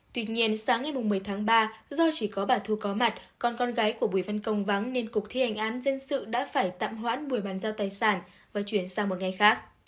tuy nhiên sáng ngày một mươi tháng ba do chỉ có bà thu có mặt còn con gái của bùi văn công vắng nên cục thi hành án dân sự đã phải tạm hoãn buổi bàn giao tài sản và chuyển sang một ngày khác